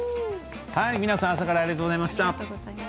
皆さん、朝からありがとうございました。